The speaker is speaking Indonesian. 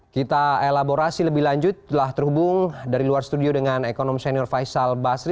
kita elaborasi lebih lanjut telah terhubung dari luar studio dengan ekonom senior faisal basri